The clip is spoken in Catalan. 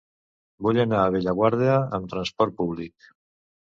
Vull anar a Bellaguarda amb trasport públic.